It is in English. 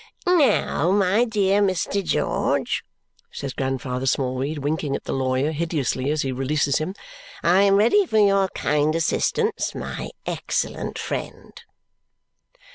Now, my dear Mr. George," says Grandfather Smallweed, winking at the lawyer hideously as he releases him, "I am ready for your kind assistance, my excellent friend!"